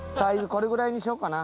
これぐらいにしようかな。